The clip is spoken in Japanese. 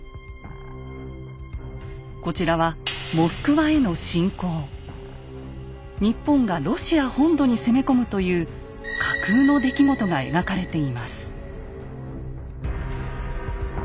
こちらは日本がロシア本土に攻め込むという架空の出来事が描かれています。